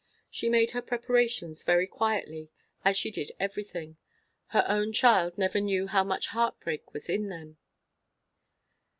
She made her preparations very quietly, as she did everything; her own child never knew how much heart break was in them.